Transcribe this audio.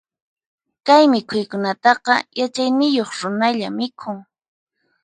Kay mikhuykunataqa, yachayniyuq runalla mikhun.